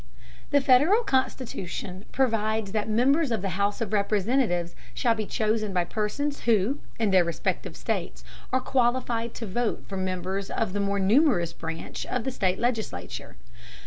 The Federal Constitution provides that members of the House of Representatives shall be chosen by persons who, in their respective states, are qualified to vote for members of the more numerous branch of the state legislature.